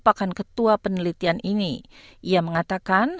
tiga puluh hari bagi pemberian perubahan